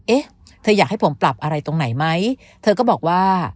เอ๊ะเธออยากให้ผมปรับอะไรตรงไหนไหมเธอก็บอกว่า